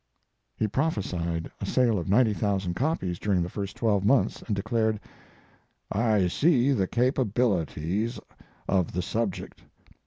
He prophesied a sale of 90,000 copies during the first twelve months and declared, "I see the capabilities of the subject."